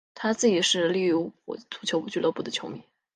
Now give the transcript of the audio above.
他自己是利物浦足球俱乐部的球迷。